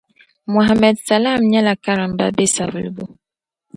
Mohammed salam nyela karimba be Savelugu